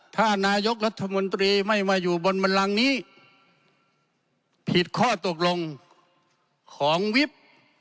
ถ้านายกรัฐมนตรีไม่มาอยู่บนบันลังนี้ผิดข้อตกลงของวิบ